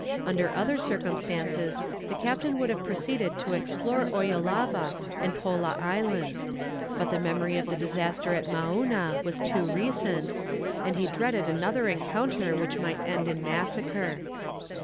Under other circumstances, the captain would have proceeded to explore Oyolava and Pola Islands; but the memory of the disaster at Maouna was too recent, and he dreaded another encounter which might end in massacre.